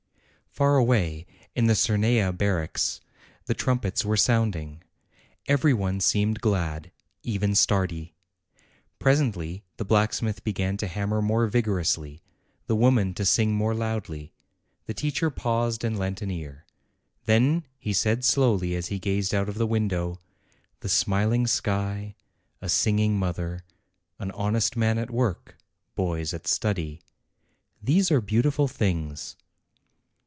Far away, in the Cernaia barracks, the trumpets were sounding. Every one seemed glad, even S.tardi. Presently the blacksmith began to hammer more vigorously, the woman to sing more loudly. The teacher paused and lent an ear. Then he said, slowly, as he gazed out of the window: "The smiling sky, a singing mother, an honest man at work, boys at study, these are beautiful things."